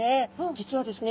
実はですね